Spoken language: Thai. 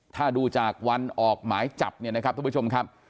ถ้าดูจากวันออกหมายจับท่านผู้ชมครับ